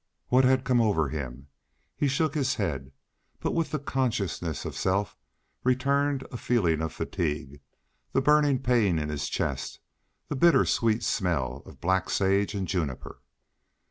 What had come over him? He shook his head; but with the consciousness of self returned a feeling of fatigue, the burning pain in his chest, the bitter sweet smell of black sage and juniper.